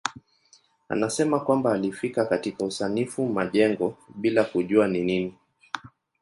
Anasema kwamba alifika katika usanifu majengo bila kujua ni nini.